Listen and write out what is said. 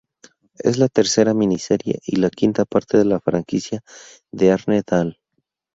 Es la tercera miniserie y la quinta parte de la franquicia de Arne Dahl.